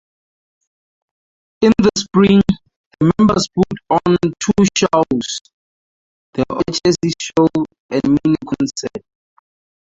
In the spring, the members put on two shows: The Orchesis Show and Miniconcert.